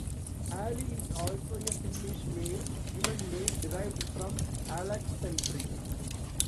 Ali is also a Finnish male given name, derived from "Aleksanteri".